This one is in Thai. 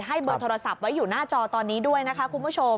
เบอร์โทรศัพท์ไว้อยู่หน้าจอตอนนี้ด้วยนะคะคุณผู้ชม